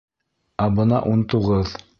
Ә бына ун туғыҙ...